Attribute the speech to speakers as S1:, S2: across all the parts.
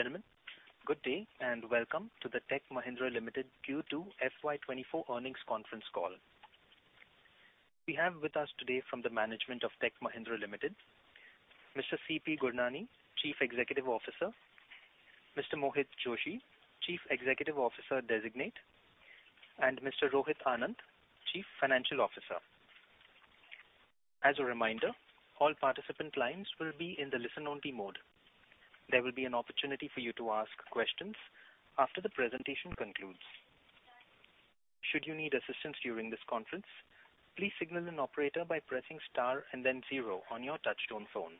S1: Ladies and gentlemen, good day, and welcome to the Tech Mahindra Limited Q2 FY24 Earnings Conference Call. We have with us today from the management of Tech Mahindra Limited, Mr. C.P. Gurnani, Chief Executive Officer, Mr. Mohit Joshi, Chief Executive Officer Designate, and Mr. Rohit Anand, Chief Financial Officer. As a reminder, all participant lines will be in the listen-only mode. There will be an opportunity for you to ask questions after the presentation concludes. Should you need assistance during this conference, please signal an operator by pressing star and then zero on your touch-tone phone.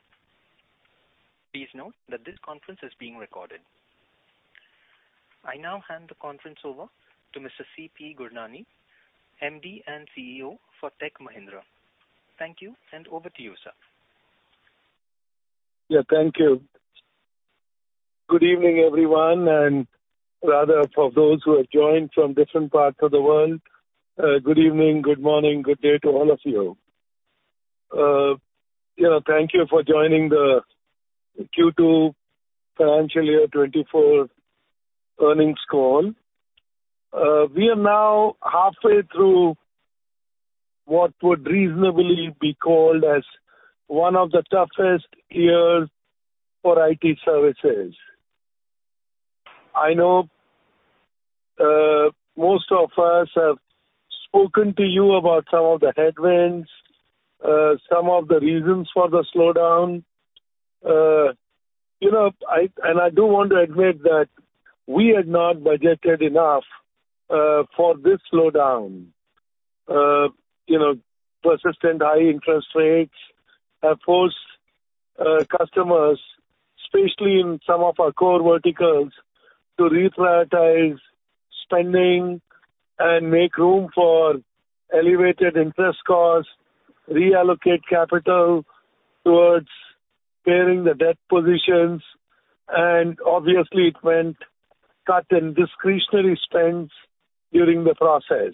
S1: Please note that this conference is being recorded. I now hand the conference over to Mr. C.P. Gurnani, MD and CEO for Tech Mahindra. Thank you, and over to you, sir.
S2: Yeah, thank you. Good evening, everyone, and rather for those who have joined from different parts of the world, good evening, good morning, good day to all of you. You know, thank you for joining the Q2 financial year 2024 earnings call. We are now halfway through what would reasonably be called as one of the toughest years for IT services. I know, most of us have spoken to you about some of the headwinds, some of the reasons for the slowdown. You know, and I do want to admit that we had not budgeted enough, for this slowdown. You know, persistent high interest rates have forced customers, especially in some of our core verticals, to reprioritize spending and make room for elevated interest costs, reallocate capital towards clearing the debt positions, and obviously it meant cut in discretionary spends during the process.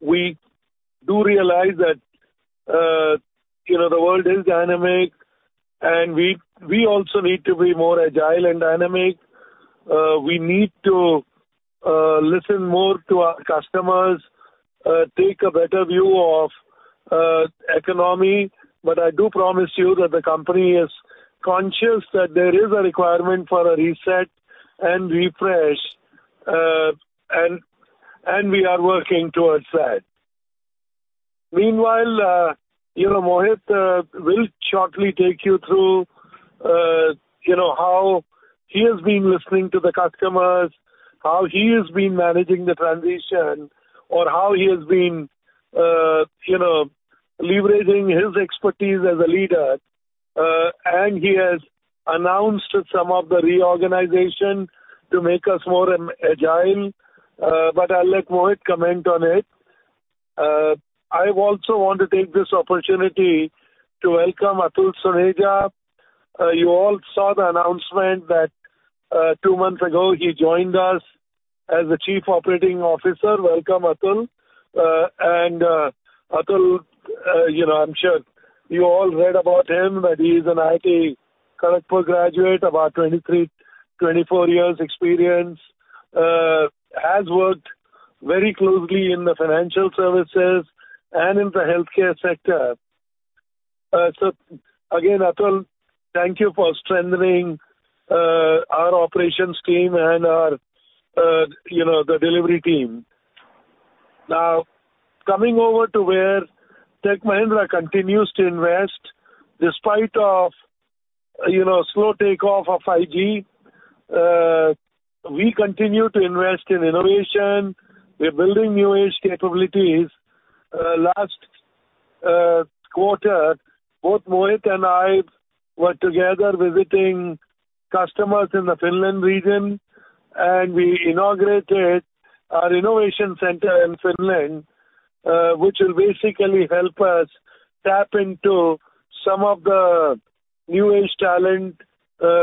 S2: We do realize that, you know, the world is dynamic, and we also need to be more agile and dynamic. We need to listen more to our customers, take a better view of economy, but I do promise you that the company is conscious that there is a requirement for a reset and refresh, and we are working towards that. Meanwhile, you know, Mohit will shortly take you through, you know, how he has been listening to the customers, how he has been managing the transition, or how he has been, you know, leveraging his expertise as a leader. And he has announced some of the reorganization to make us more agile, but I'll let Mohit comment on it. I also want to take this opportunity to welcome Atul Soneja. You all saw the announcement that, two months ago, he joined us as the Chief Operating Officer. Welcome, Atul. And, Atul, you know, I'm sure you all read about him, that he is an IIT Kharagpur graduate, about 23, 24 years experience, has worked very closely in the financial services and in the healthcare sector. So again, Atul, thank you for strengthening our operations team and our, you know, the delivery team. Now, coming over to where Tech Mahindra continues to invest, despite of, you know, slow takeoff of 5G, we continue to invest in innovation. We're building new age capabilities. Last quarter, both Mohit and I were together visiting customers in the Finland region, and we inaugurated our innovation center in Finland, which will basically help us tap into some of the new age talent,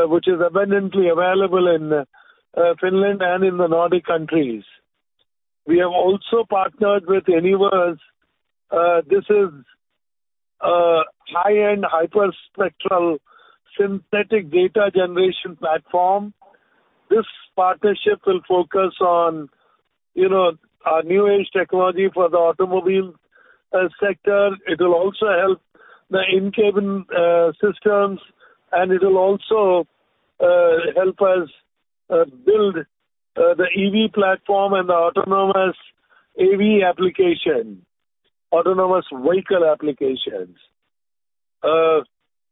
S2: which is abundantly available in Finland and in the Nordic countries. We have also partnered with Anyverse. This is a high-end hyperspectral synthetic data generation platform. This partnership will focus on, you know, new age technology for the automobile sector. It will also help the in-cabin systems, and it will also help us build the EV platform and the autonomous AV application, autonomous vehicle applications.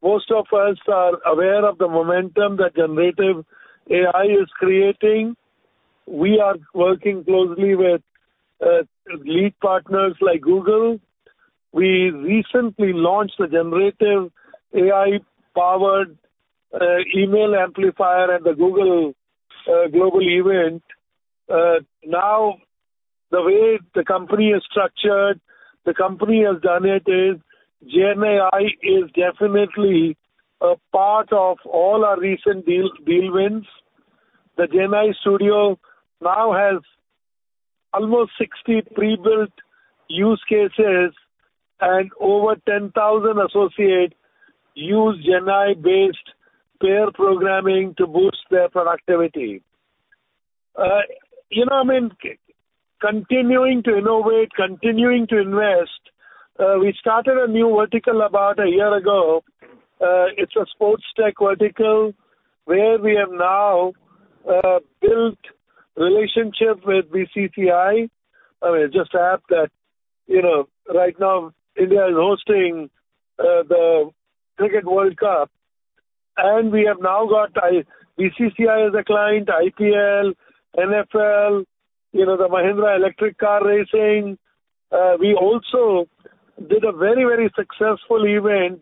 S2: Most of us are aware of the momentum that generative AI is creating. We are working closely with lead partners like Google. We recently launched a generative AI-powered email amplifier at the Google Next event. Now, the way the company is structured, the company has done it is GenAI is definitely a part of all our recent deal wins. The GenAI Studio now has almost 60 pre-built use cases and over 10,000 associates use GenAI-based pair programming to boost their productivity. You know, I mean, continuing to innovate, continuing to invest, we started a new vertical about a year ago. It's a sports tech vertical where we have now built relationship with BCCI. I mean, just to add that, you know, right now India is hosting the Cricket World Cup, and we have now got BCCI as a client, IPL, NFL, you know, the Mahindra electric car racing. We also did a very, very successful event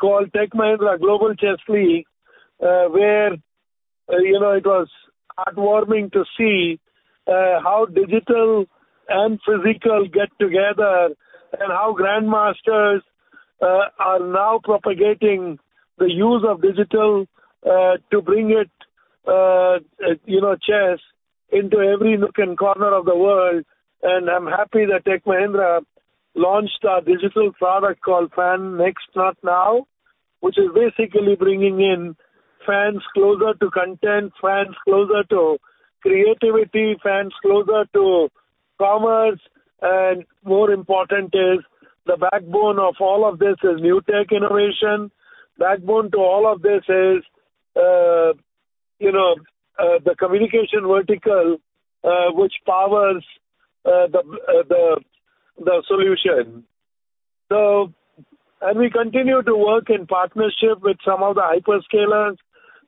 S2: called Tech Mahindra Global Chess League, where, you know, it was heartwarming to see how digital and physical get together, and how grandmasters are now propagating the use of digital to bring it, you know, chess into every nook and corner of the world. And I'm happy that Tech Mahindra launched a digital product called Fan NXT.NOW, which is basically bringing in fans closer to content, fans closer to creativity, fans closer to commerce. More important is the backbone of all of this is new tech innovation. Backbone to all of this is, you know, the communication vertical, which powers the solution. So we continue to work in partnership with some of the hyperscalers,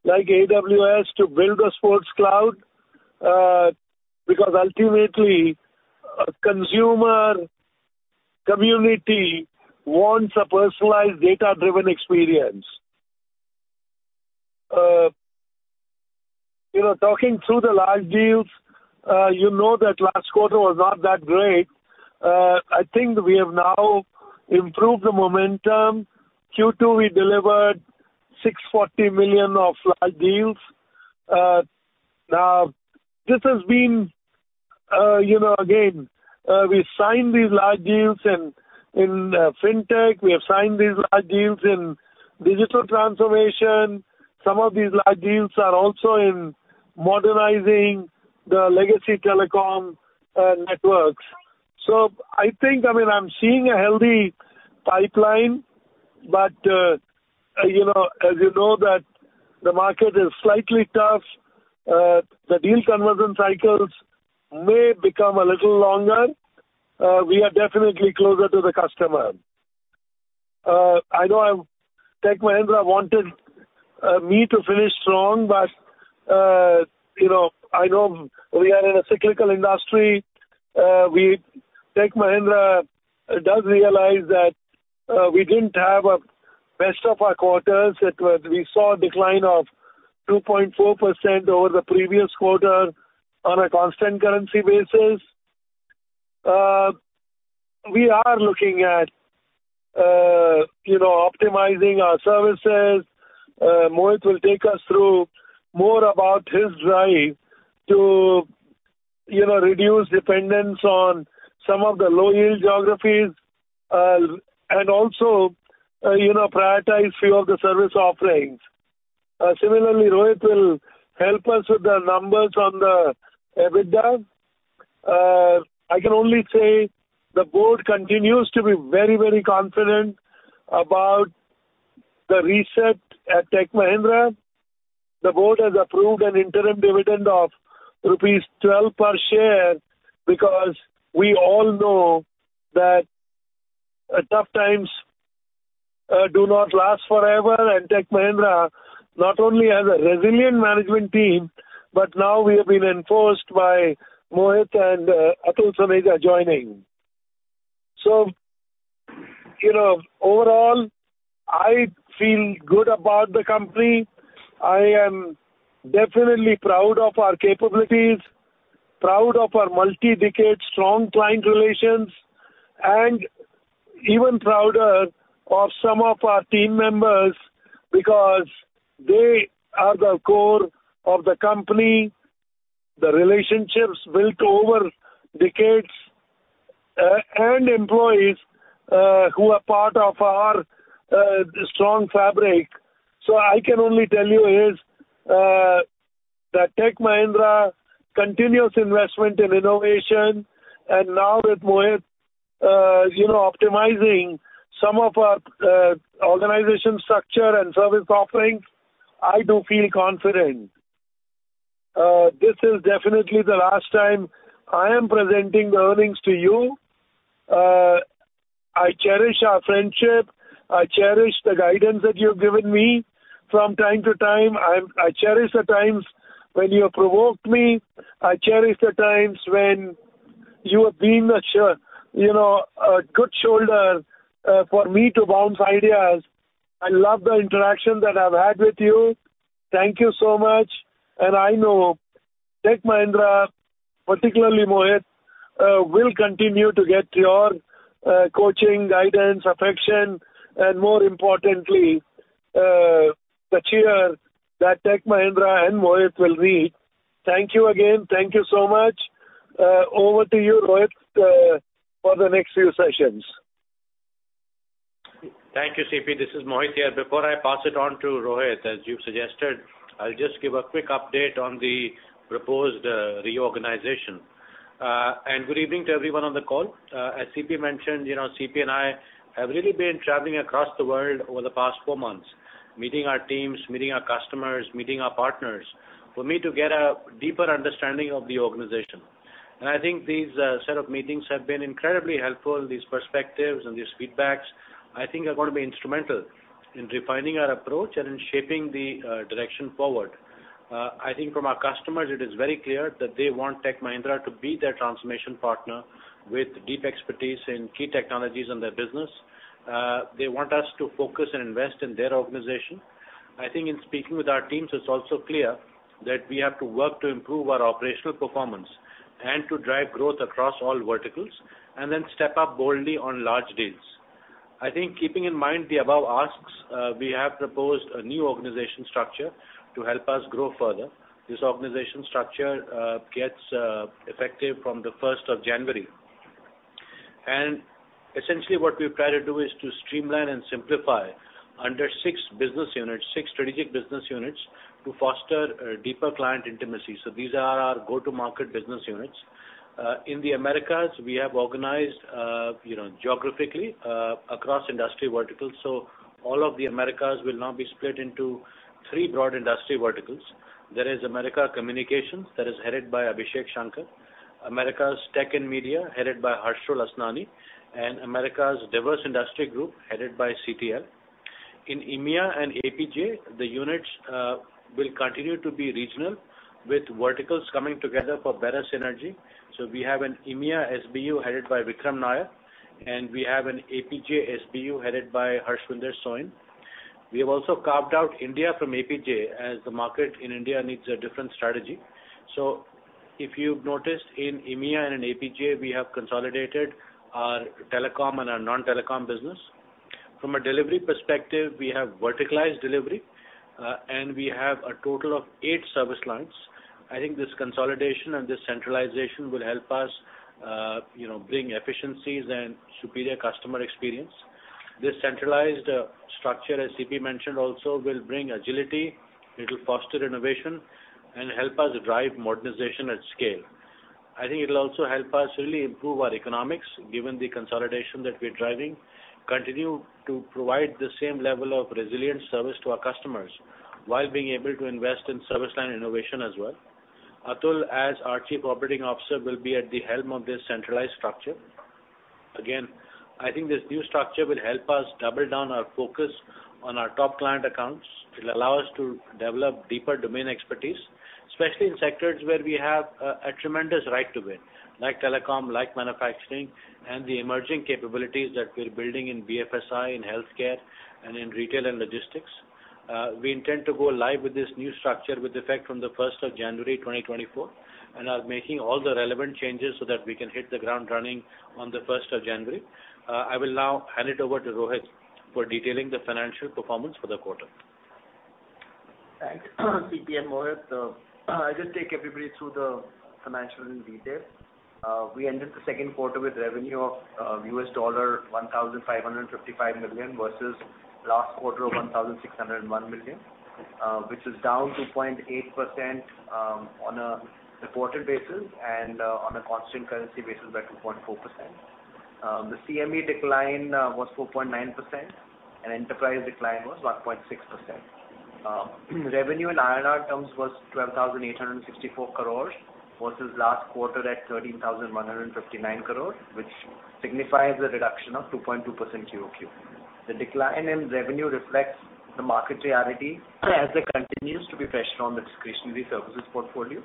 S2: like AWS, to build a Sports Cloud, because ultimately, a consumer community wants a personalized, data-driven experience. You know, talking through the large deals, you know that last quarter was not that great. I think we have now improved the momentum. Q2, we delivered $640 million of large deals. Now, this has been, you know, again, we signed these large deals in FinTech, we have signed these large deals in digital transformation. Some of these large deals are also in modernizing the legacy telecom networks. So I think, I mean, I'm seeing a healthy pipeline, but, you know, as you know, that the market is slightly tough, the deal conversion cycles may become a little longer. We are definitely closer to the customer. I know Tech Mahindra wanted me to finish strong, but, you know, I know we are in a cyclical industry. We, Tech Mahindra does realize that, we didn't have a best of our quarters. It was—We saw a decline of 2.4% over the previous quarter on a constant currency basis. We are looking at, you know, optimizing our services. Mohit will take us through more about his drive to, you know, reduce dependence on some of the low-yield geographies, and also, you know, prioritize few of the service offerings. Similarly, Rohit will help us with the numbers on the EBITDA. I can only say the board continues to be very, very confident about the reset at Tech Mahindra. The board has approved an interim dividend of rupees 12 per share, because we all know that tough times do not last forever, and Tech Mahindra not only has a resilient management team, but now we have been enforced by Mohit and Atul Soneja joining. So, you know, overall, I feel good about the company. I am definitely proud of our capabilities, proud of our multi-decade strong client relations, and even prouder of some of our team members, because they are the core of the company, the relationships built over decades, and employees who are part of our strong fabric. I can only tell you is that Tech Mahindra continuous investment in innovation, and now with Mohit, you know, optimizing some of our organization structure and service offerings, I do feel confident. This is definitely the last time I am presenting the earnings to you. I cherish our friendship. I cherish the guidance that you've given me from time to time. I cherish the times when you have provoked me. I cherish the times when you have been a shoulder, you know, a good shoulder for me to bounce ideas. I love the interaction that I've had with you. Thank you so much. I know Tech Mahindra, particularly Mohit, will continue to get your coaching, guidance, affection, and more importantly the cheer that Tech Mahindra and Mohit will read. Thank you again. Thank you so much. Over to you, Rohit, for the next few sessions.
S3: Thank you, CP. This is Mohit here. Before I pass it on to Rohit, as you've suggested, I'll just give a quick update on the proposed reorganization. And good evening to everyone on the call. As CP mentioned, you know, CP and I have really been traveling across the world over the past four months, meeting our teams, meeting our customers, meeting our partners, for me to get a deeper understanding of the organization. And I think these set of meetings have been incredibly helpful. These perspectives and these feedbacks, I think, are going to be instrumental in refining our approach and in shaping the direction forward. I think from our customers, it is very clear that they want Tech Mahindra to be their transformation partner with deep expertise in key technologies in their business. They want us to focus and invest in their organization. I think in speaking with our teams, it's also clear that we have to work to improve our operational performance and to drive growth across all verticals, and then step up boldly on large deals. I think keeping in mind the above asks, we have proposed a new organization structure to help us grow further. This organization structure gets effective from the first of January. And essentially, what we've tried to do is to streamline and simplify under six business units, six strategic business units, to foster deeper client intimacy. So these are our go-to-market business units. In the Americas, we have organized, you know, geographically, across industry verticals. So all of the Americas will now be split into three broad industry verticals. There is Americas Communications, that is headed by Abhishek Shankar. Americas Tech and Media, headed by Harshul Asnani. And Americas Diverse Industry Group, headed by CTL. In EMEA and APJ, the units will continue to be regional, with verticals coming together for better synergy. So we have an EMEA SBU, headed by Vikram Nair, and we have an APJ SBU, headed by Harshvendra Soin. We have also carved out India from APJ, as the market in India needs a different strategy. So if you've noticed, in EMEA and in APJ, we have consolidated our telecom and our non-telecom business. From a delivery perspective, we have verticalized delivery, and we have a total of eight service lines. I think this consolidation and this centralization will help us, you know, bring efficiencies and superior customer experience. This centralized structure, as C.P. mentioned, also will bring agility, it'll foster innovation and help us drive modernization at scale. I think it'll also help us really improve our economics, given the consolidation that we're driving, continue to provide the same level of resilient service to our customers, while being able to invest in service line innovation as well. Atul, as our Chief Operating Officer, will be at the helm of this centralized structure. Again, I think this new structure will help us double down our focus on our top client accounts. It'll allow us to develop deeper domain expertise, especially in sectors where we have a tremendous right to win, like telecom, like manufacturing, and the emerging capabilities that we're building in BFSI, in healthcare, and in retail and logistics. We intend to go live with this new structure with effect from the first of January, 2024, and are making all the relevant changes so that we can hit the ground running on the first of January. I will now hand it over to Rohit for detailing the financial performance for the quarter.
S4: Thanks, CP and Mohit. I'll just take everybody through the financial in detail. We ended the second quarter with revenue of $1,555 million versus last quarter of $1,601 million, which is down 2.8% on a reported basis, and on a constant currency basis, by 2.4%. The CME decline was 4.9%, and enterprise decline was 1.6%. Revenue in INR terms was 12,864 crores, versus last quarter at 13,159 crores, which signifies a reduction of 2.2% QoQ. The decline in revenue reflects the market reality as it continues to be fresh on the discretionary services portfolio.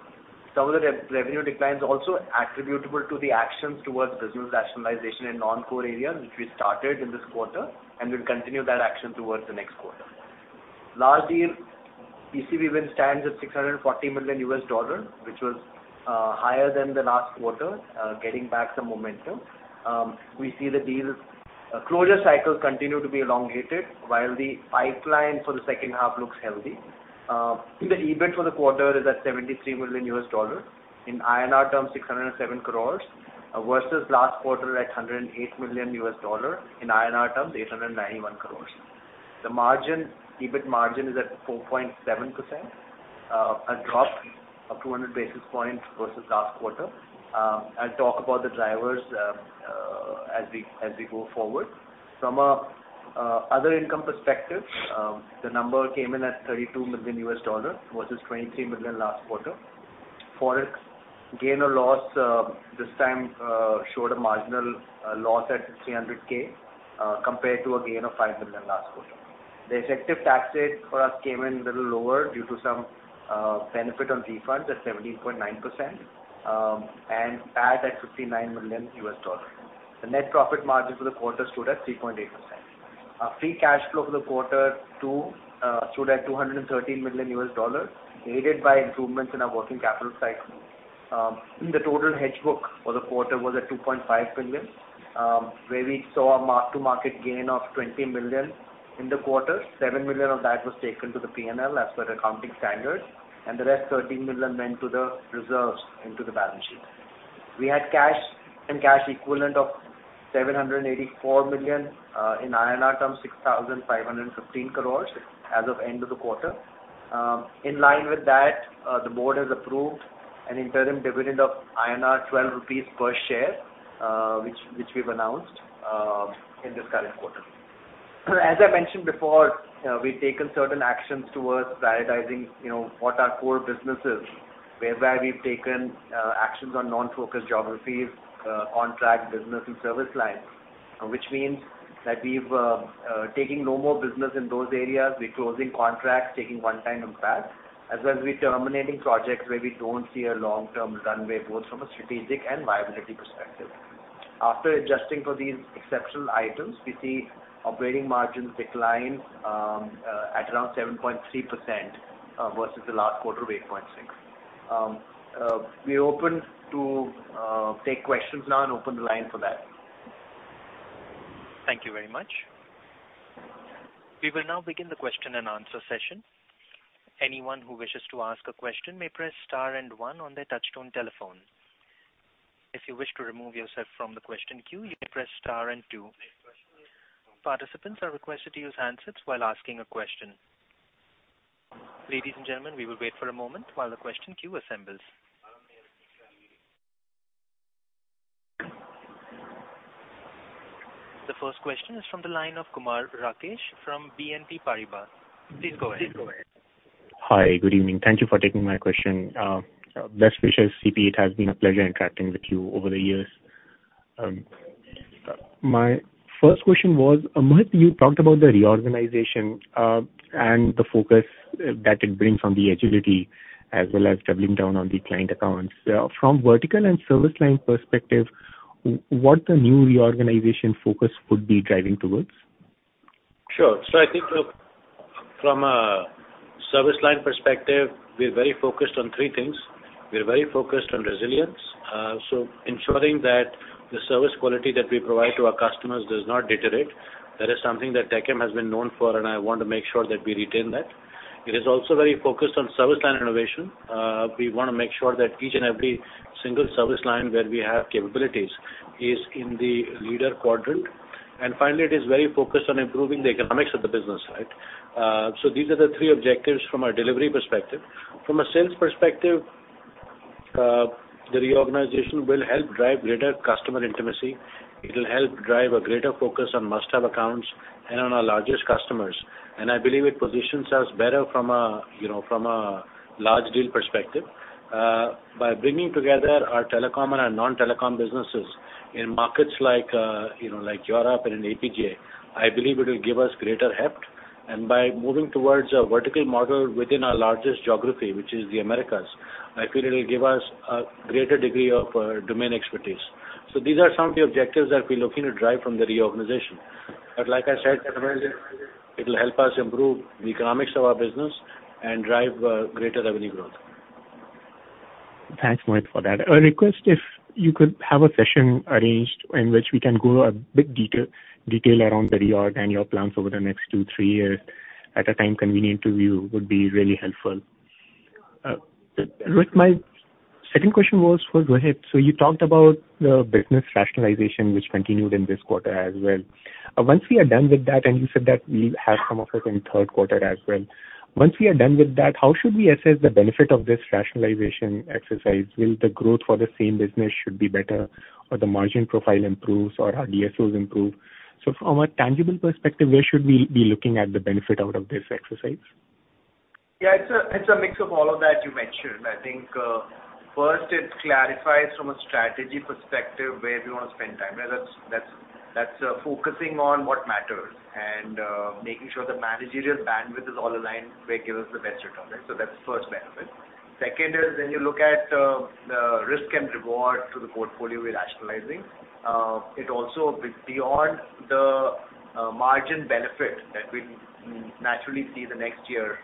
S4: Some of the revenue declines also attributable to the actions towards business rationalization in non-core areas, which we started in this quarter, and we'll continue that action towards the next quarter. Large deal TCV win stands at $640 million, which was higher than the last quarter, getting back some momentum. We see the deals closure cycle continue to be elongated, while the pipeline for the second half looks healthy. The EBIT for the quarter is at $73 million, in INR terms, 607 crore INR, versus last quarter at $108 million, in INR terms, 891 crore INR. The margin, EBIT margin is at 4.7%, a drop of 200 basis points versus last quarter. I'll talk about the drivers as we go forward. From an other income perspective, the number came in at $32 million, versus $23 million last quarter. Forex gain or loss this time showed a marginal loss at $300K, compared to a gain of $5 million last quarter. The effective tax rate for us came in a little lower due to some benefit on refunds at 17.9%, and PAT at $59 million. The net profit margin for the quarter stood at 3.8%. Our free cash flow for quarter two stood at $213 million, aided by improvements in our working capital cycle. The total hedge book for the quarter was at $2.5 billion, where we saw a mark-to-market gain of $20 million in the quarter. Seven million of that was taken to the P&L as per the accounting standard, and the rest, thirteen million, went to the reserves into the balance sheet. We had cash and cash equivalent of $784 million, in INR terms, 6,515 crores INR as of end of the quarter. In line with that, the board has approved an interim dividend of 12 rupees per share, which we've announced in this current quarter. As I mentioned before, we've taken certain actions towards prioritizing, you know, what our core business is, whereby we've taken actions on non-focused geographies, on-track business and service lines. Which means that we've taking no more business in those areas. We're closing contracts, taking one-time impact, as well as we're terminating projects where we don't see a long-term runway, both from a strategic and viability perspective. After adjusting for these exceptional items, we see operating margins decline at around 7.3% versus the last quarter, 8.6. We're open to take questions now and open the line for that.
S1: Thank you very much. We will now begin the question-and-answer session. Anyone who wishes to ask a question may press star and one on their touchtone telephone. If you wish to remove yourself from the question queue, you may press star and two. Participants are requested to use handsets while asking a question. Ladies and gentlemen, we will wait for a moment while the question queue assembles. The first question is from the line of Kumar Rakesh from BNP Paribas. Please go ahead.
S5: Hi, good evening. Thank you for taking my question. Best wishes, C.P., it has been a pleasure interacting with you over the years. My first question was, Mohit, you talked about the reorganization, and the focus that it brings on the agility, as well as doubling down on the client accounts. From vertical and service line perspective, what the new reorganization focus would be driving towards?
S3: Sure. So I think from a service line perspective, we're very focused on three things. We're very focused on resilience. So ensuring that the service quality that we provide to our customers does not deteriorate. That is something that Tech M has been known for, and I want to make sure that we retain that. It is also very focused on service line innovation. We want to make sure that each and every single service line where we have capabilities is in the leader quadrant. And finally, it is very focused on improving the economics of the business, right? So these are the three objectives from a delivery perspective. From a sales perspective, the reorganization will help drive greater customer intimacy. It'll help drive a greater focus on must-have accounts and on our largest customers. I believe it positions us better from a, you know, from a large deal perspective. By bringing together our telecom and our non-telecom businesses in markets like, you know, like Europe and in APJ, I believe it will give us greater heft. By moving towards a vertical model within our largest geography, which is the Americas, I feel it'll give us a greater degree of domain expertise. These are some of the objectives that we're looking to drive from the reorganization. Like I said, it'll help us improve the economics of our business and drive greater revenue growth.
S5: Thanks, Mohit, for that. A request, if you could have a session arranged in which we can go a bit detail around the reorg and your plans over the next 2-3 years, at a time convenient to you, would be really helpful. With my second question, go ahead. So you talked about the business rationalization, which continued in this quarter as well. Once we are done with that, and you said that we have some of it in third quarter as well. Once we are done with that, how should we assess the benefit of this rationalization exercise? Will the growth for the same business should be better, or the margin profile improves, or our DSOs improve? So from a tangible perspective, where should we be looking at the benefit out of this exercise?
S4: Yeah, it's a mix of all of that you mentioned. I think, first, it clarifies from a strategy perspective, where we want to spend time. That's focusing on what matters and making sure the managerial bandwidth is all aligned, where it gives us the best return on it. So that's the first benefit. Second is when you look at the risk and reward to the portfolio we're rationalizing, it also beyond the margin benefit that we naturally see the next year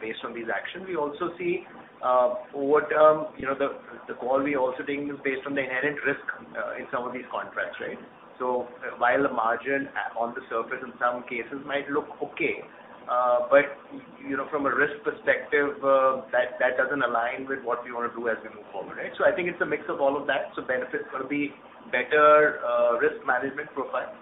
S4: based on these actions. We also see, over term, you know, the call we also taking is based on the inherent risk in some of these contracts, right? So while the margin on the surface in some cases might look okay, but, you know, from a risk perspective, that, that doesn't align with what we want to do as we move forward, right? So I think it's a mix of all of that. So benefits going to be better, risk management profile,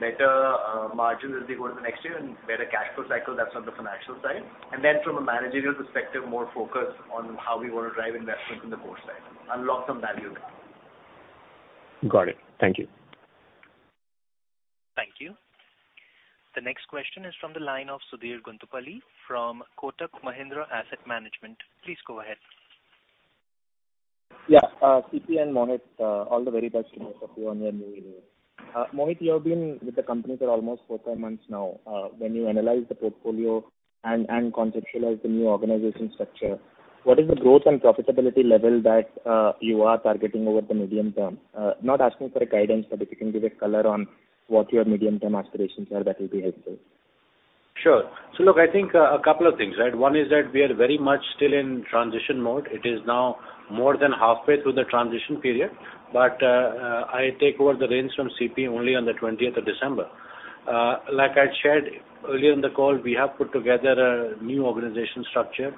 S4: better, margin as we go to the next year, and better cash flow cycle, that's on the financial side. And then from a managerial perspective, more focused on how we want to drive investments in the core side. Unlock some value there.
S5: Got it. Thank you.
S1: Thank you. The next question is from the line of Sudheer Guntupali from Kotak Mahindra Asset Management. Please go ahead.
S6: Yeah, C. P. and Mohit, all the very best to both of you on your new role. Mohit, you have been with the company for almost 4, 5 months now. When you analyze the portfolio and, and conceptualize the new organization structure, what is the growth and profitability level that you are targeting over the medium term? Not asking for a guidance, but if you can give a color on what your medium-term aspirations are, that will be helpful.
S3: Sure. So look, I think, a couple of things, right? One is that we are very much still in transition mode. It is now more than halfway through the transition period, but, I take over the reins from CP only on the twentieth of December. Like I shared earlier in the call, we have put together a new organization structure.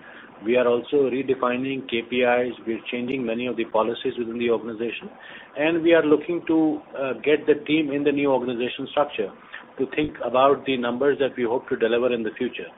S3: We are also redefining KPIs. We're changing many of the policies within the organization, and we are looking to, get the team in the new organization structure to think about the numbers that we hope to deliver in the future.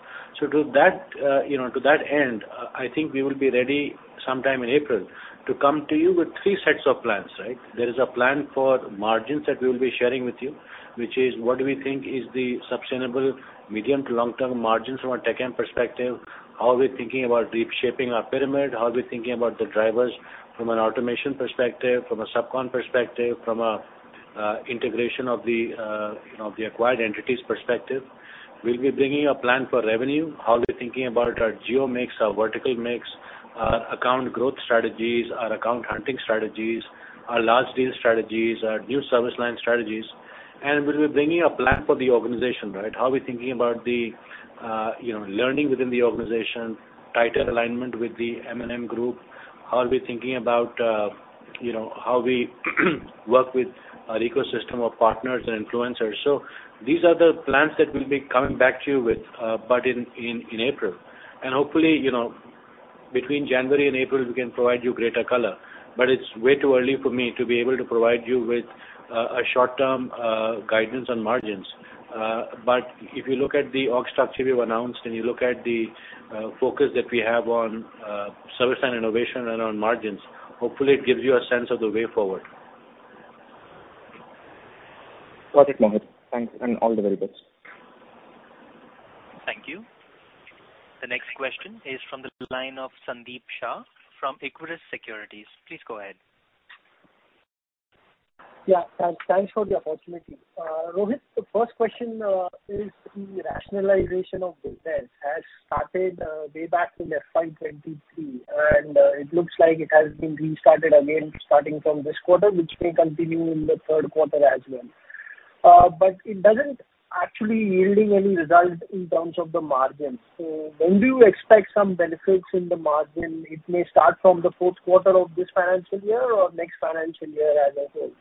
S3: So to that, you know, to that end, I, I think we will be ready sometime in April to come to you with three sets of plans, right? There is a plan for margins that we will be sharing with you, which is what do we think is the sustainable medium to long-term margins from a TechM perspective, how are we thinking about reshaping our pyramid, how are we thinking about the drivers from an automation perspective, from a subcon perspective, from a integration of the, you know, the acquired entities perspective. We'll be bringing a plan for revenue. How are we thinking about our geo mix, our vertical mix, our account growth strategies, our account hunting strategies, our large deal strategies, our new service line strategies, and we'll be bringing a plan for the organization, right? How are we thinking about the, you know, learning within the organization, tighter alignment with the M&M group? How are we thinking about, you know, how we work with our ecosystem of partners and influencers? So these are the plans that we'll be coming back to you with, but in April. And hopefully, you know, between January and April, we can provide you greater color. But it's way too early for me to be able to provide you with a short-term guidance on margins. But if you look at the org structure we've announced, and you look at the focus that we have on service and innovation and on margins, hopefully it gives you a sense of the way forward.
S4: Got it, Mohit. Thanks, and all the very best.
S1: Thank you. The next question is from the line of Sandeep Shah from Equirus Securities. Please go ahead.
S7: Yeah, thanks. Thanks for the opportunity. Rohit, the first question is the rationalization of business has started way back in FY 2023, and it looks like it has been restarted again, starting from this quarter, which may continue in the third quarter as well. But it doesn't actually yielding any result in terms of the margin. So when do you expect some benefits in the margin? It may start from the fourth quarter of this financial year or next financial year as a whole.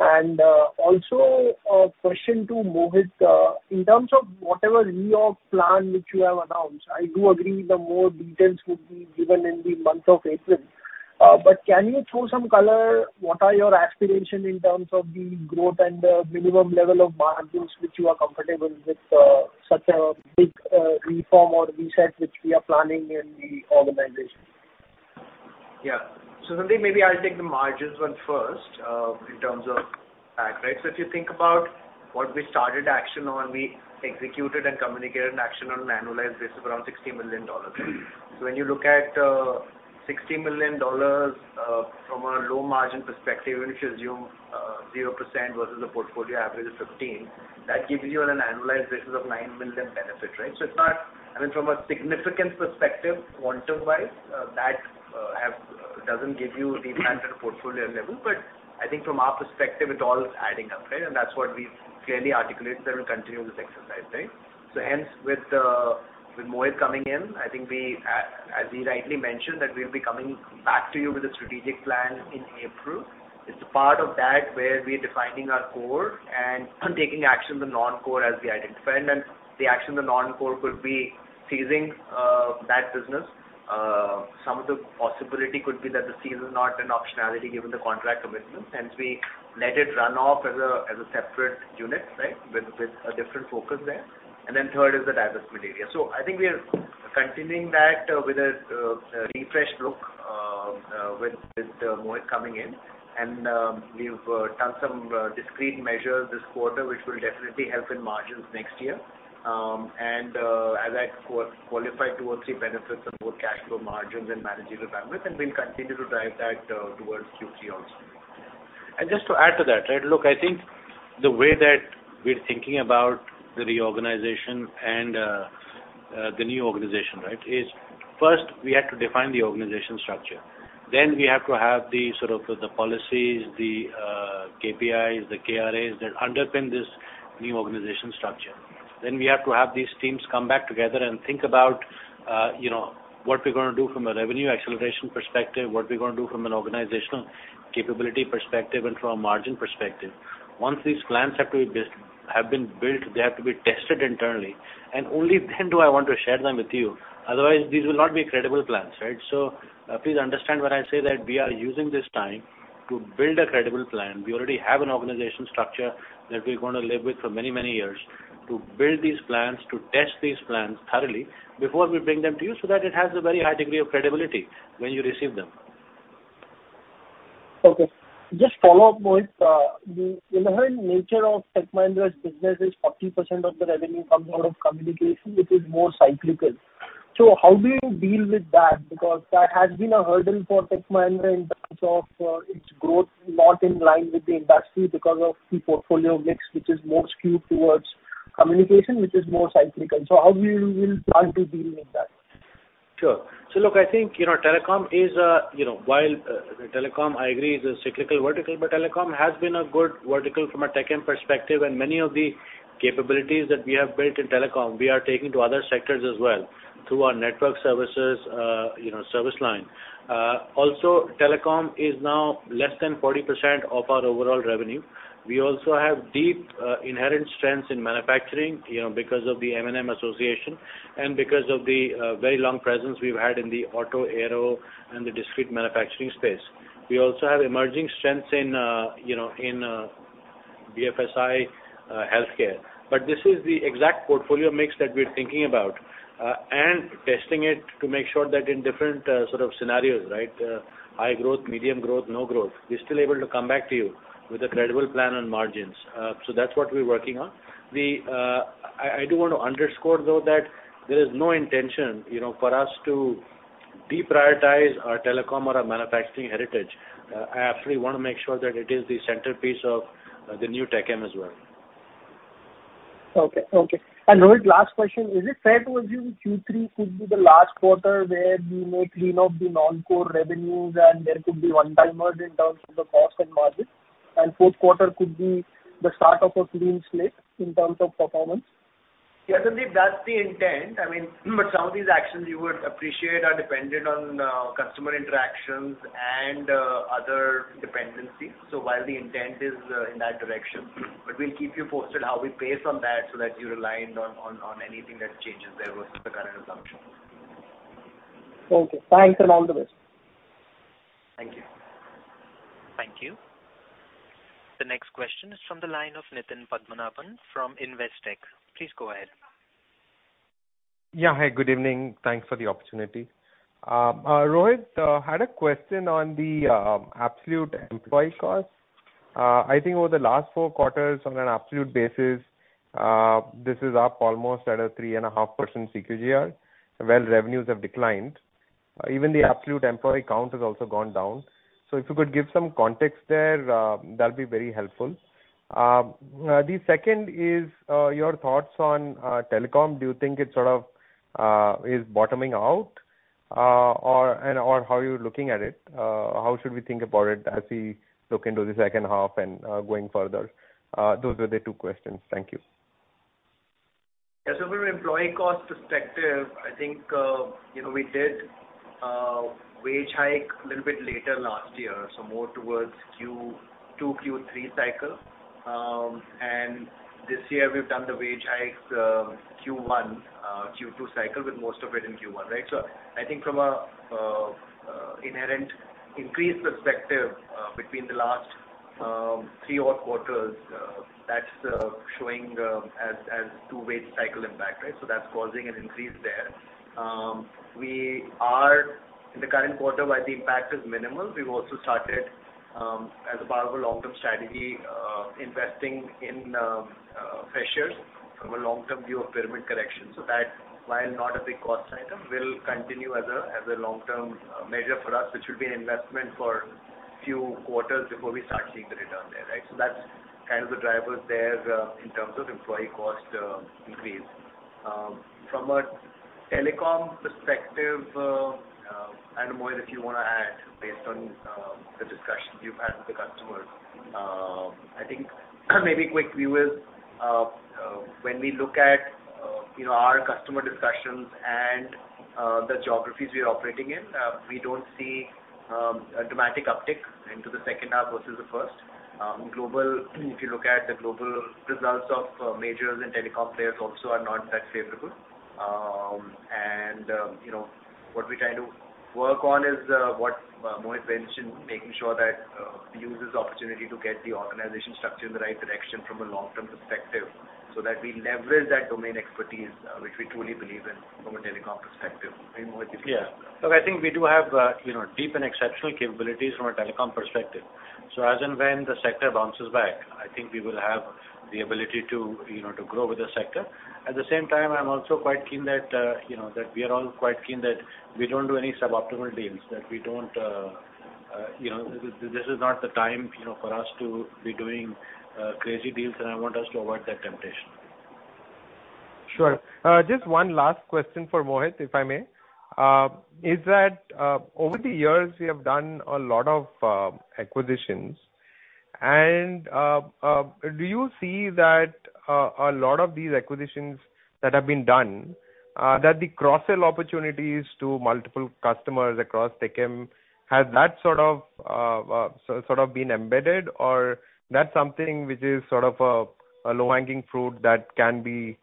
S7: And also a question to Mohit. In terms of whatever reorg plan which you have announced, I do agree the more details would be given in the month of April. But can you throw some color? What are your aspirations in terms of the growth and the minimum level of margins which you are comfortable with, such a big, reform or reset which we are planning in the organization?
S4: Yeah. So Sandeep, maybe I'll take the margins one first, in terms of fact, right? So if you think about what we started action on, we executed and communicated an action on an annualized basis of around $60 million. So when you look at $60 million, from a low margin perspective, and if you assume 0% versus a portfolio average of 15%, that gives you an annualized basis of $9 million benefit, right? So it's not- I mean, from a significant perspective, quantum-wise, that doesn't give you the impact at a portfolio level. But I think from our perspective, it all is adding up, right? And that's what we've clearly articulated, that we'll continue this exercise, right? So hence, with Mohit coming in, I think we, as he rightly mentioned, that we'll be coming back to you with a strategic plan in April. It's a part of that where we're defining our core and taking action on the non-core as we identified, and the action on the non-core could be ceasing that business. Some of the possibility could be that the cease is not an optionality, given the contract commitment, hence we let it run off as a separate unit, right? With a different focus there. And then third is the divestment area. So I think we are continuing that with a refreshed look with Mohit coming in. And we've done some discrete measures this quarter, which will definitely help in margins next year. And as I qualified two or three benefits of both cash flow margins and managerial bandwidth, and we'll continue to drive that towards Q3 also.
S3: And just to add to that, right? Look, I think the way that we're thinking about the reorganization and the new organization, right, is first we have to define the organization structure. Then we have to have the sort of the policies, the KPIs, the KRAs that underpin this new organization structure. Then we have to have these teams come back together and think about, you know, what we're gonna do from a revenue acceleration perspective, what we're gonna do from an organizational capability perspective, and from a margin perspective. Once these plans have been built, they have to be tested internally, and only then do I want to share them with you. Otherwise, these will not be credible plans, right? So, please understand when I say that we are using this time to build a credible plan. We already have an organization structure that we're gonna live with for many, many years, to build these plans, to test these plans thoroughly before we bring them to you, so that it has a very high degree of credibility when you receive them.
S7: Okay. Just follow up, Mohit. The inherent nature of Tech Mahindra's business is 40% of the revenue comes out of communication, which is more cyclical. So how do you deal with that? Because that has been a hurdle for Tech Mahindra in terms of its growth, not in line with the industry because of the portfolio mix, which is more skewed towards communication, which is more cyclical. So how we will plan to deal with?
S3: Sure. So look, I think, you know, telecom is, you know, while telecom, I agree, is a cyclical vertical, but telecom has been a good vertical from a TechM perspective, and many of the capabilities that we have built in telecom, we are taking to other sectors as well, through our network services, you know, service line. Also, telecom is now less than 40% of our overall revenue. We also have deep, inherent strengths in manufacturing, you know, because of the M&M association, and because of the very long presence we've had in the auto, aero, and the discrete manufacturing space. We also have emerging strengths in, you know, in BFSI, healthcare. But this is the exact portfolio mix that we're thinking about, and testing it to make sure that in different sort of scenarios, right? High growth, medium growth, no growth, we're still able to come back to you with a credible plan on margins. So that's what we're working on. I do want to underscore, though, that there is no intention, you know, for us to deprioritize our telecom or our manufacturing heritage. I actually want to make sure that it is the centerpiece of the new TechM as well.
S7: Okay, okay. Rohit, last question: Is it fair to assume Q3 could be the last quarter where you may clean up the non-core revenues, and there could be one-timers in terms of the cost and margin, and fourth quarter could be the start of a clean slate in terms of performance?
S4: Yes, Sandeep, that's the intent. I mean, but some of these actions you would appreciate are dependent on customer interactions and other dependencies. So while the intent is in that direction, but we'll keep you posted how we pace on that so that you're aligned on anything that changes there versus the current assumption.
S7: Okay. Thanks, and all the best.
S4: Thank you.
S1: Thank you. The next question is from the line of Nitin Padmanaban from Investec. Please go ahead.
S8: Yeah, hi, good evening. Thanks for the opportunity. Rohit had a question on the absolute employee cost. I think over the last 4 quarters on an absolute basis, this is up almost at a 3.5% CQGR, where revenues have declined. Even the absolute employee count has also gone down. So if you could give some context there, that'd be very helpful. The second is your thoughts on telecom. Do you think it sort of is bottoming out, or, and/or how are you looking at it? How should we think about it as we look into the second half and going further? Those were the two questions. Thank you.
S4: Yeah, so from an employee cost perspective, I think, you know, we did a wage hike a little bit later last year, so more towards Q2, Q3 cycle. And this year we've done the wage hike, Q1, Q2 cycle, with most of it in Q1, right? So I think from a inherent increase perspective, between the last three odd quarters, that's showing as two wage cycle impact, right? So that's causing an increase there. We are in the current quarter, while the impact is minimal, we've also started, as a part of a long-term strategy, investing in freshers from a long-term view of pyramid correction. So that, while not a big cost item, will continue as a long-term measure for us, which will be an investment for a few quarters before we start seeing the return there, right? So that's kind of the drivers there in terms of employee cost increase. From a telecom perspective, and Mohit, if you want to add, based on the discussions you've had with the customer, I think maybe a quick view is when we look at you know our customer discussions and the geographies we are operating in, we don't see a dramatic uptick into the second half versus the first. Global, if you look at the global results of majors and telecom players also are not that favorable. And, you know, what we try to work on is what Mohit mentioned, making sure that we use this opportunity to get the organization structure in the right direction from a long-term perspective, so that we leverage that domain expertise, which we truly believe in from a telecom perspective. Mohit, you can.
S3: Yeah. So I think we do have, you know, deep and exceptional capabilities from a telecom perspective. So as and when the sector bounces back, I think we will have the ability to, you know, to grow with the sector. At the same time, I'm also quite keen that, you know, that we are all quite keen that we don't do any suboptimal deals, that we don't, you know, this is not the time, you know, for us to be doing, crazy deals, and I want us to avoid that temptation.
S8: Sure. Just one last question for Mohit, if I may. Is that, over the years, you have done a lot of acquisitions, and do you see that a lot of these acquisitions that have been done, that the cross-sell opportunities to multiple customers across TechM, has that sort of sort of been embedded, or that's something which is sort of a low-hanging fruit that can be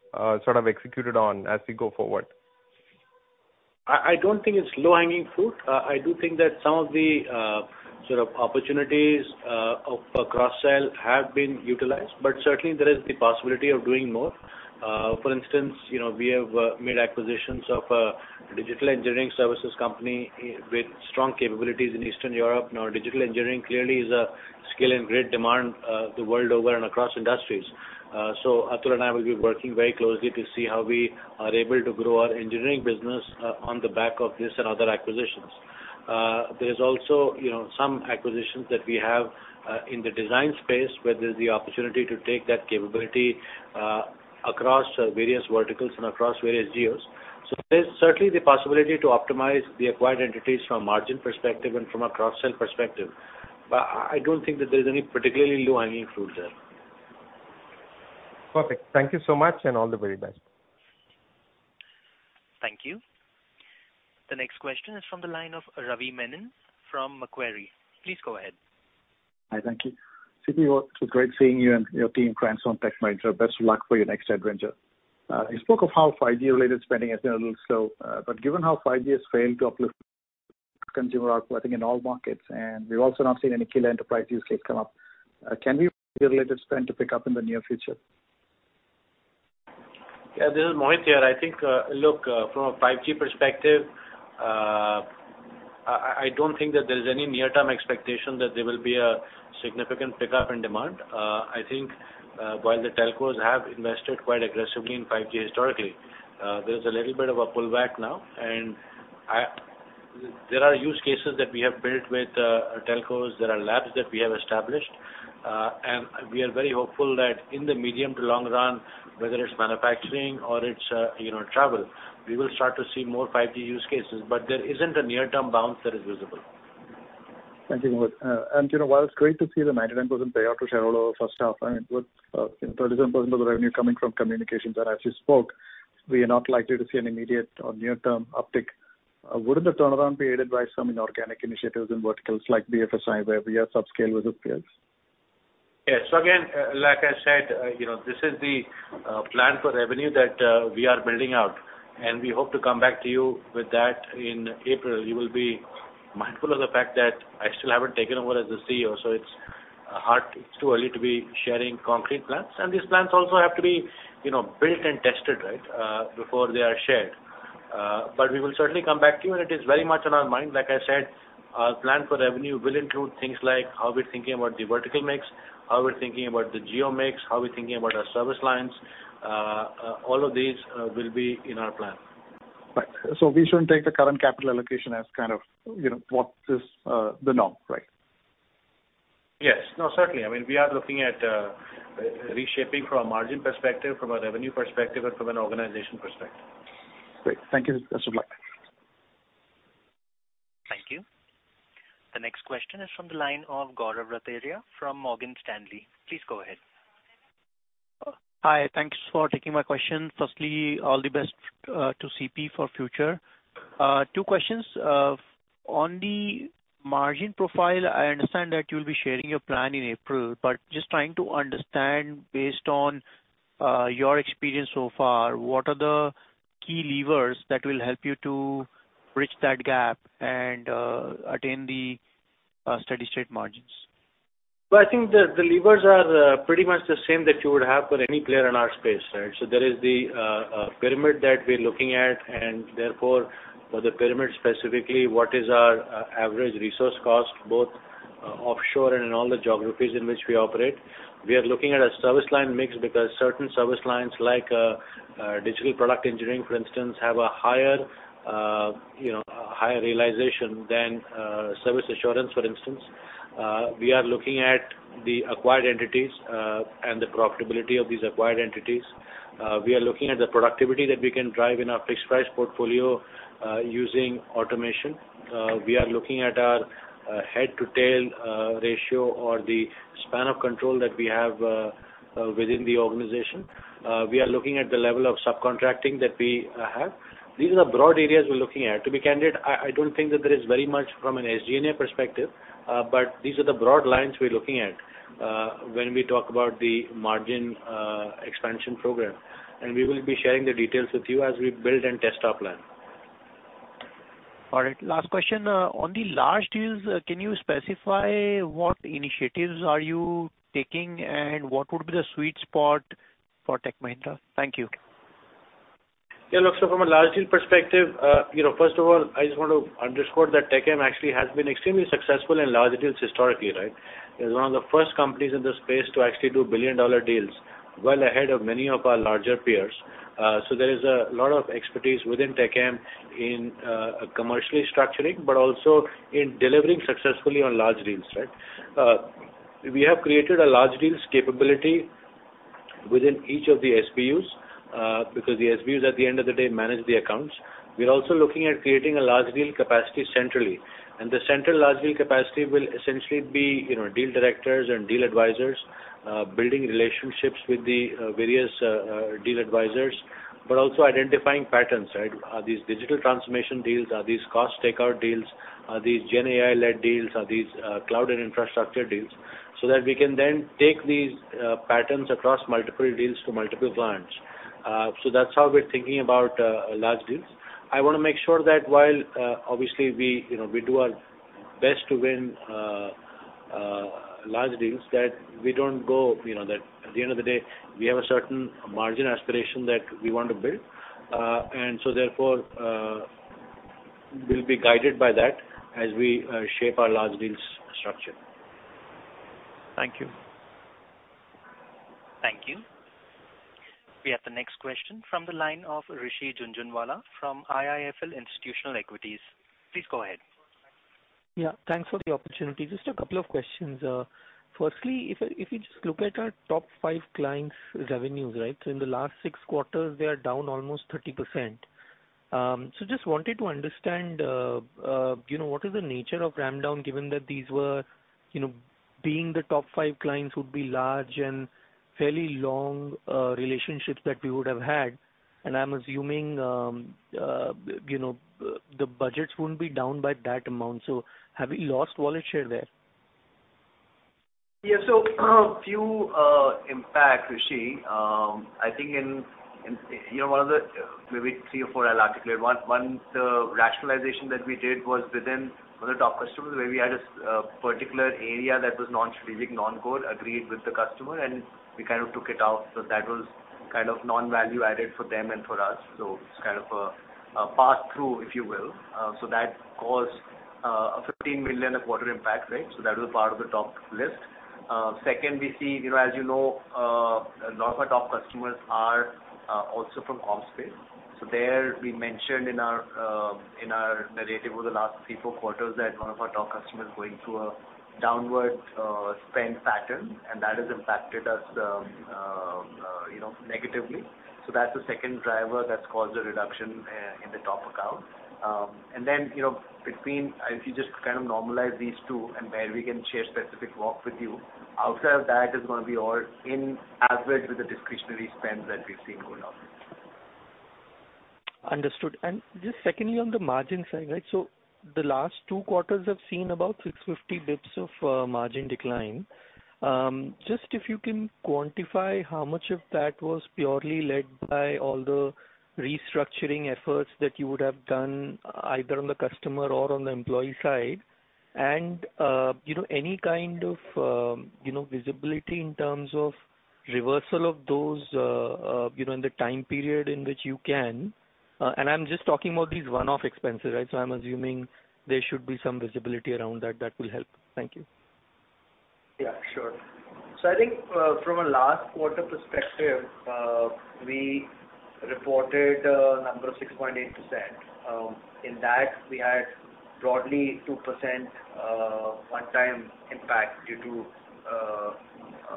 S8: sort of executed on as we go forward?
S3: I don't think it's low-hanging fruit. I do think that some of the sort of opportunities of a cross-sell have been utilized, but certainly there is the possibility of doing more. For instance, you know, we have made acquisitions of a digital engineering services company with strong capabilities in Eastern Europe. Now, digital engineering clearly is a skill in great demand the world over and across industries. So Atul and I will be working very closely to see how we are able to grow our engineering business on the back of this and other acquisitions. There's also, you know, some acquisitions that we have in the design space, where there's the opportunity to take that capability across various verticals and across various geos. There's certainly the possibility to optimize the acquired entities from a margin perspective and from a cross-sell perspective. But I don't think that there's any particularly low-hanging fruit there.
S8: Perfect. Thank you so much, and all the very best.
S1: Thank you. The next question is from the line of Ravi Menon from Macquarie. Please go ahead.
S9: Hi, thank you. C. P., it was great seeing you and your team transition on Tech Mahindra. Best of luck for your next adventure. You spoke of how 5G-related spending has been a little slow, but given how 5G has failed to uplift consumer output, I think, in all markets, and we've also not seen any killer enterprise use case come up, can we related spend to pick up in the near future?
S3: Yeah, this is Mohit here. I think, look, from a 5G perspective, I don't think that there is any near-term expectation that there will be a significant pickup in demand. I think, while the telcos have invested quite aggressively in 5G historically, there's a little bit of a pullback now, and there are use cases that we have built with telcos. There are labs that we have established, and we are very hopeful that in the medium to long run, whether it's manufacturing or it's, you know, travel, we will start to see more 5G use cases, but there isn't a near-term bounce that is visible.
S9: Thank you, Mohit. You know, while it's great to see the 99% payout to shareholders first half, I mean, with 37% of the revenue coming from communications, and as you spoke, we are not likely to see an immediate or near-term uptick. Wouldn't the turnaround be aided by some inorganic initiatives in verticals like BFSI, where we are subscale with our peers?
S3: Yeah. So again, like I said, you know, this is the plan for revenue that we are building out, and we hope to come back to you with that in April. You will be mindful of the fact that I still haven't taken over as the CEO, so it's hard, it's too early to be sharing concrete plans. And these plans also have to be, you know, built and tested, right, before they are shared. But we will certainly come back to you, and it is very much on our mind. Like I said, our plan for revenue will include things like how we're thinking about the vertical mix, how we're thinking about the geo mix, how we're thinking about our service lines. All of these will be in our plan.
S9: Right. So we shouldn't take the current capital allocation as kind of, you know, what is the norm, right?
S3: Yes. No, certainly. I mean, we are looking at reshaping from a margin perspective, from a revenue perspective, and from an organization perspective.
S9: Great. Thank you. Best of luck.
S1: Thank you. The next question is from the line of Gaurav Rateria from Morgan Stanley. Please go ahead.
S10: Hi, thanks for taking my question. Firstly, all the best to C.P. for future. Two questions. On the margin profile, I understand that you'll be sharing your plan in April, but just trying to understand, based on your experience so far, what are the key levers that will help you to bridge that gap and attain the steady-state margins?
S3: Well, I think the levers are pretty much the same that you would have for any player in our space, right? So there is the pyramid that we're looking at, and therefore, for the pyramid, specifically, what is our average resource cost, both offshore and in all the geographies in which we operate? We are looking at a service line mix because certain service lines, like digital product engineering, for instance, have a higher, you know, higher realization than service assurance, for instance. We are looking at the acquired entities and the profitability of these acquired entities. We are looking at the productivity that we can drive in our fixed-price portfolio using automation. We are looking at our head-to-tail ratio or the span of control that we have within the organization. We are looking at the level of subcontracting that we have. These are the broad areas we're looking at. To be candid, I don't think that there is very much from an SG&A perspective, but these are the broad lines we're looking at when we talk about the margin expansion program. And we will be sharing the details with you as we build and test our plan.
S10: All right. Last question. On the large deals, can you specify what initiatives are you taking, and what would be the sweet spot for Tech Mahindra? Thank you.
S3: Yeah, look, so from a large deal perspective, you know, first of all, I just want to underscore that TechM actually has been extremely successful in large deals historically, right? It's one of the first companies in this space to actually do billion-dollar deals, well ahead of many of our larger peers. So there is a lot of expertise within TechM in, commercially structuring, but also in delivering successfully on large deals, right? We have created a large deals capability within each of the SBUs, because the SBUs, at the end of the day, manage the accounts. We are also looking at creating a large deal capacity centrally, and the central large deal capacity will essentially be, you know, deal directors and deal advisors, building relationships with the various deal advisors, but also identifying patterns, right? Are these digital transformation deals? Are these cost takeout deals? Are these GenAI-led deals? Are these cloud and infrastructure deals? So that we can then take these patterns across multiple deals to multiple clients. So that's how we're thinking about large deals. I want to make sure that while obviously, we, you know, we do our best to win large deals, that we don't go. You know, that at the end of the day, we have a certain margin aspiration that we want to build. And so therefore, we'll be guided by that as we shape our large deals structure.
S10: Thank you.
S1: Thank you. We have the next question from the line of Rishi Jhunjhunwala from IIFL Institutional Equities. Please go ahead.
S11: Yeah, thanks for the opportunity. Just a couple of questions. Firstly, if you just look at our top 5 clients' revenues, right? So in the last 6 quarters, they are down almost 30%. So just wanted to understand, you know, what is the nature of ramp down, given that these were, you know, being the top 5 clients would be large and fairly long relationships that we would have had. And I'm assuming, you know, the budgets wouldn't be down by that amount. So have we lost wallet share there?
S3: Yeah. So a few impacts, Rishi, I think in, you know, one of the maybe three or four I'll articulate. One, the rationalization that we did was within one of the top customers, where we had a particular area that was non-strategic, non-core, agreed with the customer, and we kind of took it out. So that was kind of non-value added for them and for us. So it's kind of a pass-through, if you will. So that caused a $15 million quarter impact, right? So that was part of the top list. Second, we see, you know, as you know, a lot of our top customers are also from onsite. So there, we mentioned in our narrative over the last 3, 4 quarters, that one of our top customers going through a downward spend pattern, and that has impacted us, you know, negatively. So that's the second driver that's caused a reduction in the top account. And then, you know, between. If you just kind of normalize these two and where we can share specific walk with you, outside of that is gonna be all in average with the discretionary spend that we've seen going on.
S11: Understood. And just secondly, on the margin side, right. So the last two quarters have seen about 650 basis points of margin decline. Just if you can quantify how much of that was purely led by all the restructuring efforts that you would have done, either on the customer or on the employee side. And, you know, any kind of, you know, visibility in terms of reversal of those, you know, in the time period in which you can, and I'm just talking about these one-off expenses, right? So I'm assuming there should be some visibility around that. That will help. Thank you.
S4: Yeah, sure. So I think, from a last quarter perspective, we reported a number of 6.8%. In that, we had broadly 2%, one-time impact, due to,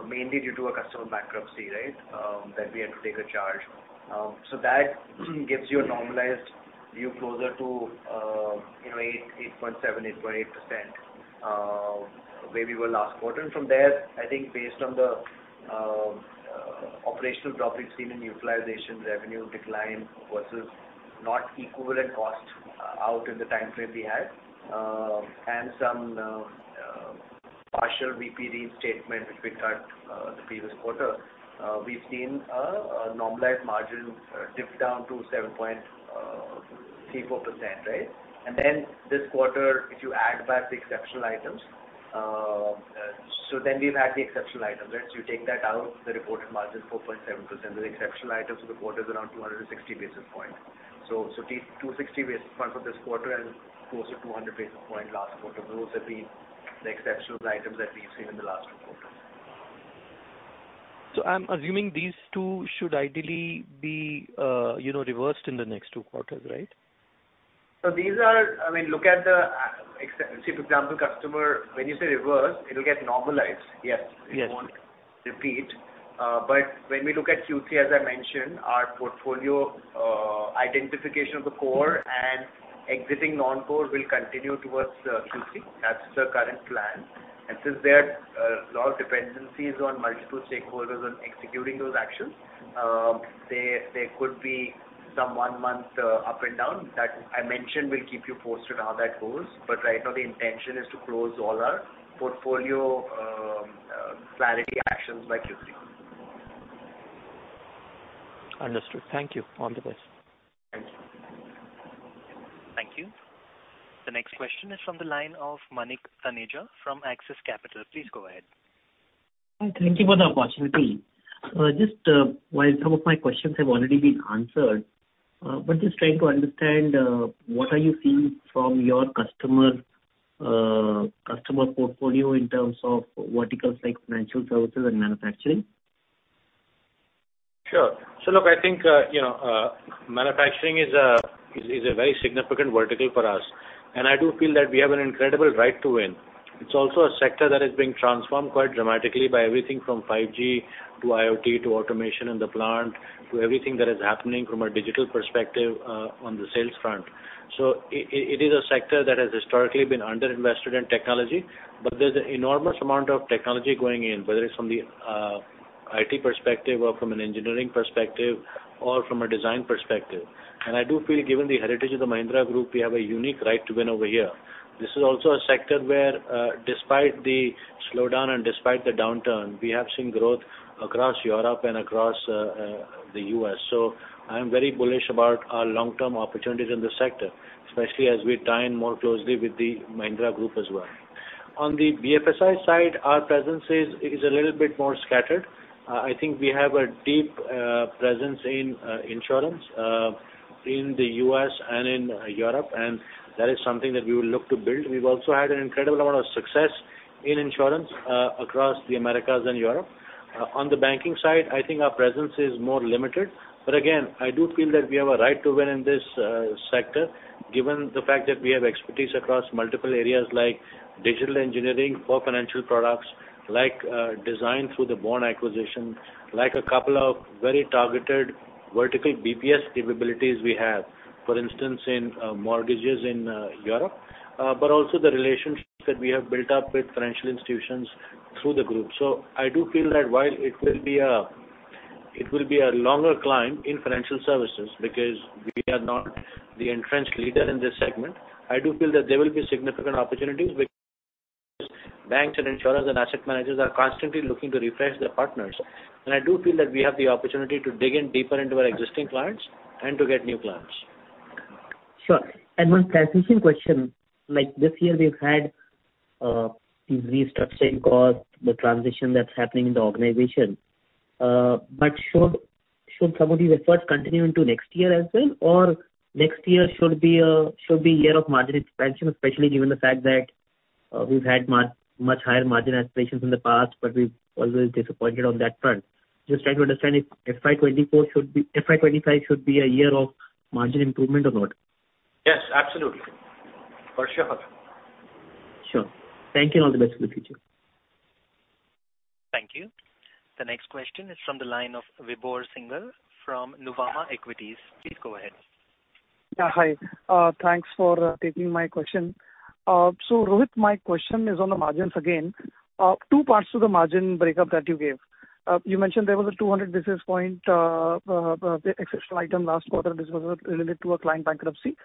S4: mainly due to a customer bankruptcy, right? That we had to take a charge. So that gives you a normalized view closer to, you know, 8%, 8.7%, 8.8%, where we were last quarter. And from there, I think based on the, operational topics seen in utilization, revenue decline versus not equivalent cost out in the time frame we had, and some, partial VP reinstatement, which we cut, the previous quarter. We've seen a, normalized margin dip down to 7.3%-4%, right? And then, this quarter, if you add back the exceptional items, so then we've had the exceptional items. Once you take that out, the reported margin is 4.7%. The exceptional items for the quarter is around 260 basis points. So, 260 basis points for this quarter and closer to 200 basis points last quarter. Those will be the exceptional items that we've seen in the last two quarters.
S11: So I'm assuming these two should ideally be, you know, reversed in the next two quarters, right?
S4: These are. I mean, say, for example, customer, when you say reverse, it'll get normalized. Yes.
S11: Yes.
S4: It won't repeat. But when we look at Q3, as I mentioned, our portfolio identification of the core and exiting non-core will continue towards Q3. That's the current plan. And since there are a lot of dependencies on multiple stakeholders on executing those actions, there could be some one month up and down, that I mentioned we'll keep you posted on how that goes. But right now, the intention is to close all our portfolio clarity actions by Q3.
S11: Understood. Thank you. All the best.
S4: Thank you.
S1: Thank you. The next question is from the line of Manik Taneja from Axis Capital. Please go ahead.
S12: Hi, thank you for the opportunity. Just, while some of my questions have already been answered, but just trying to understand, what are you seeing from your customer, customer portfolio in terms of verticals like financial services and manufacturing?
S3: Sure. So look, I think, you know, manufacturing is a very significant vertical for us, and I do feel that we have an incredible right to win. It's also a sector that is being transformed quite dramatically by everything from 5G to IoT, to automation in the plant, to everything that is happening from a digital perspective, on the sales front. So it is a sector that has historically been underinvested in technology, but there's an enormous amount of technology going in, whether it's from the IT perspective or from an engineering perspective or from a design perspective. And I do feel, given the heritage of the Mahindra Group, we have a unique right to win over here. This is also a sector where, despite the slowdown and despite the downturn, we have seen growth across Europe and across the U.S. So I'm very bullish about our long-term opportunities in this sector, especially as we tie in more closely with the Mahindra Group as well. On the BFSI side, our presence is a little bit more scattered. I think we have a deep presence in insurance in the U.S. and in Europe, and that is something that we will look to build. We've also had an incredible amount of success in insurance across the Americas and Europe. On the banking side, I think our presence is more limited. But again, I do feel that we have a right to win in this sector, given the fact that we have expertise across multiple areas like digital engineering for financial products, like design through the BORN acquisition, like a couple of very targeted vertical BPS capabilities we have. For instance, in mortgages in Europe, but also the relationships that we have built up with financial institutions through the group. So I do feel that while it will be a, it will be a longer climb in financial services, because we are not the entrenched leader in this segment, I do feel that there will be significant opportunities, which banks and insurers and asset managers are constantly looking to refresh their partners. And I do feel that we have the opportunity to dig in deeper into our existing clients and to get new clients.
S12: Sure. And one transition question, like, this year, we've had these restructuring costs, the transition that's happening in the organization. But should some of these efforts continue into next year as well? Or next year should be a year of margin expansion, especially given the fact that we've had much higher margin aspirations in the past, but we've always disappointed on that front. Just trying to understand if FY 2024 should be FY 2025 should be a year of margin improvement or not?
S3: Yes, absolutely. For sure.
S12: Sure. Thank you, and all the best for the future.
S1: Thank you. The next question is from the line of Vibhor Singhal from Nuvama Equities. Please go ahead.
S13: Yeah, hi. Thanks for taking my question. So Rohit, my question is on the margins again. Two parts to the margin breakup that you gave. You mentioned there was a 200 basis points exceptional item last quarter. This was related to a client bankruptcy,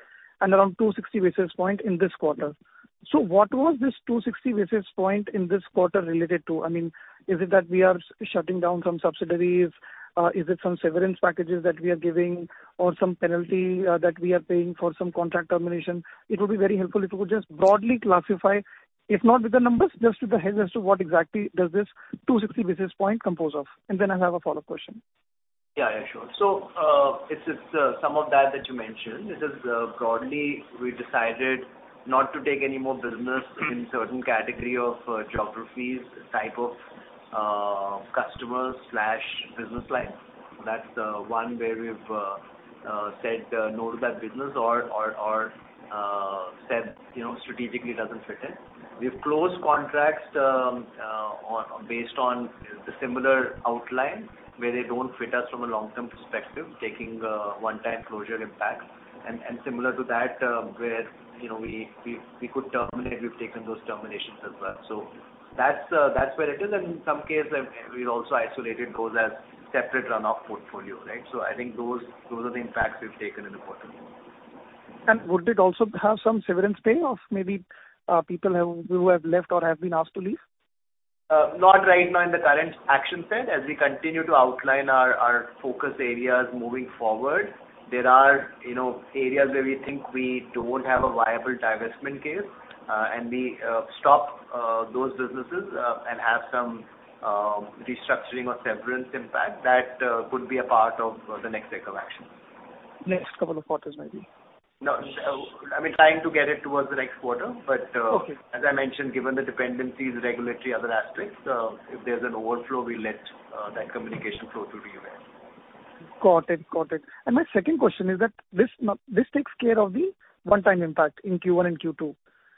S13: and around 260 basis points in this quarter. So what was this 260 basis points in this quarter related to? I mean, is it that we are shutting down some subsidiaries? Is it some severance packages that we are giving or some penalty that we are paying for some contract termination? It would be very helpful if you could just broadly classify, if not with the numbers, just with the heads as to what exactly does this 260 basis points compose of. And then I have a follow-up question.
S4: Yeah, yeah, sure. So, it's, it's, some of that that you mentioned. It is, broadly, we decided not to take any more business in certain category of geographies, type of customers/business lines. That's one where we've said no to that business or said, you know, strategically doesn't fit in. We've closed contracts based on the similar outline, where they don't fit us from a long-term perspective, taking one-time closure impact. And similar to that, where, you know, we could terminate, we've taken those terminations as well. So that's, that's where it is. In some cases, we've also isolated those as separate runoff portfolio, right? So I think those are the impacts we've taken in the quarter.
S13: Would it also have some severance pay of maybe, people have, who have left or have been asked to leave?
S4: Not right now in the current action set. As we continue to outline our, our focus areas moving forward, there are, you know, areas where we think we don't have a viable divestment case, and we stop those businesses, and have some restructuring or severance impact. That could be a part of the next set of actions.
S13: Next couple of quarters, maybe?
S4: No, I mean, trying to get it towards the next quarter, but-
S13: Okay.
S4: As I mentioned, given the dependencies, regulatory, other aspects, if there's an overflow, we'll let that communication flow through to you then.
S13: Got it. Got it. And my second question is that this this takes care of the one-time impact in Q1 and Q2.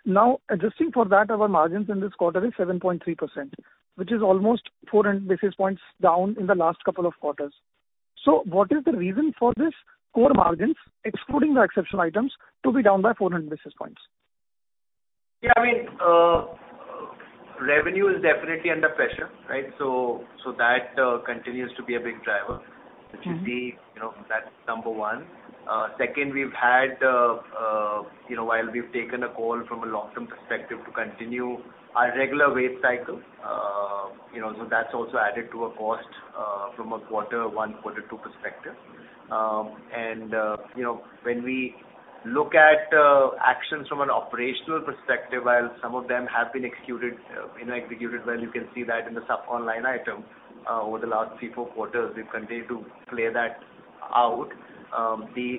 S13: Now, adjusting for that, our margins in this quarter is 7.3%, which is almost 400 basis points down in the last couple of quarters. So what is the reason for this core margins, excluding the exceptional items, to be down by 400 basis points?
S4: Yeah, I mean, revenue is definitely under pressure, right? So that continues to be a big driver-
S13: Mm-hmm.
S4: -which is the. You know, that's number one. Second, we've had, you know, while we've taken a call from a long-term perspective to continue our regular wage cycle, you know, so that's also added to a cost, from a quarter one, quarter two perspective. You know, when we look at actions from an operational perspective, while some of them have been executed, you know, executed well, you can see that in the sub-line item. Over the last three, four quarters, we've continued to play that out. The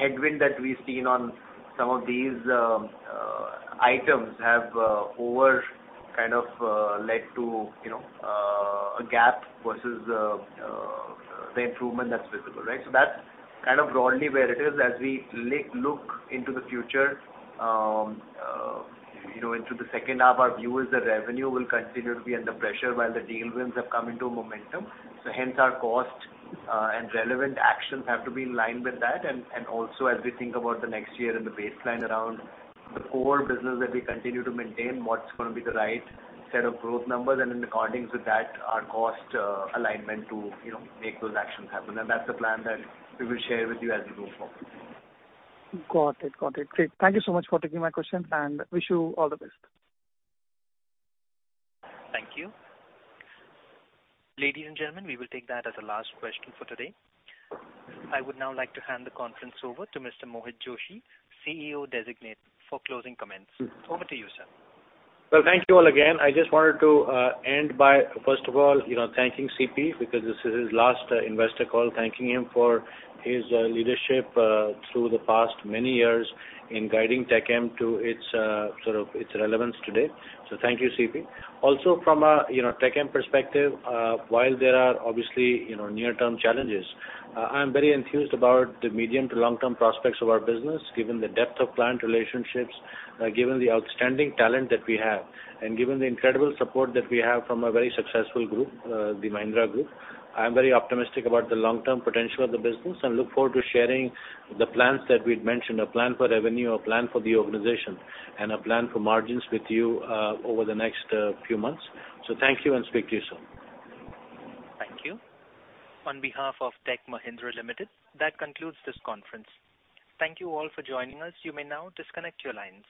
S4: headwind that we've seen on some of these items have over kind of led to, you know, a gap versus the improvement that's visible, right? So that's kind of broadly where it is. As we look into the future, you know, into the second half, our view is that revenue will continue to be under pressure while the deal wins have come into momentum. Hence, our cost and relevant actions have to be in line with that. Also, as we think about the next year and the baseline around the core business that we continue to maintain, what's going to be the right set of growth numbers, and in accordance with that, our cost alignment to, you know, make those actions happen. That's the plan that we will share with you as we go forward.
S13: Got it. Got it. Great. Thank you so much for taking my questions, and wish you all the best.
S1: Thank you. Ladies and gentlemen, we will take that as the last question for today. I would now like to hand the conference over to Mr. Mohit Joshi, CEO designate, for closing comments. Over to you, sir.
S3: Well, thank you all again. I just wanted to end by, first of all, you know, thanking CP, because this is his last investor call, thanking him for his leadership through the past many years in guiding TechM to its sort of, its relevance today. So thank you, CP. Also from a, you know, TechM perspective, while there are obviously, you know, near-term challenges, I'm very enthused about the medium to long-term prospects of our business, given the depth of client relationships, given the outstanding talent that we have, and given the incredible support that we have from a very successful group, the Mahindra Group. I'm very optimistic about the long-term potential of the business and look forward to sharing the plans that we'd mentioned, a plan for revenue, a plan for the organization, and a plan for margins with you, over the next few months. So thank you, and speak to you soon.
S1: Thank you. On behalf of Tech Mahindra Limited, that concludes this conference. Thank you all for joining us. You may now disconnect your lines.